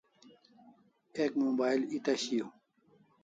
Ek mobile eta shiau